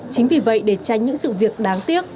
chính vì vậy để tránh những sự việc đáng tiếc